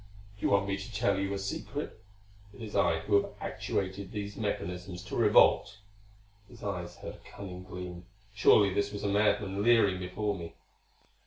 Do you want me to tell you a secret? It is I who have actuated these mechanisms to revolt." His eyes held a cunning gleam. Surely this was a madman leering before me.